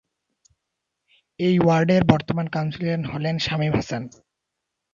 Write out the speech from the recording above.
এ ওয়ার্ডের বর্তমান কাউন্সিলর হলেন শামীম হাসান।